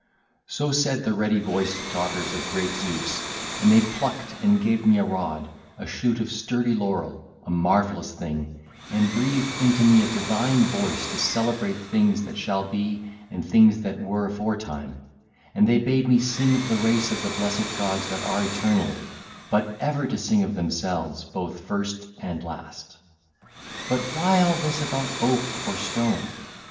(ll. 29 35) So said the ready voiced daughters of great Zeus, and they plucked and gave me a rod, a shoot of sturdy laurel, a marvellous thing, and breathed into me a divine voice to celebrate things that shall be and things there were aforetime; and they bade me sing of the race of the blessed gods that are eternally, but ever to sing of themselves both first and last. But why all this about oak or stone?